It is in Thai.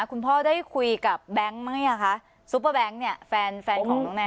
คุณพ่อได้คุยกับแบงค์ไหมอ่ะคะซุปเปอร์แบงค์เนี่ยแฟนแฟนของน้องแน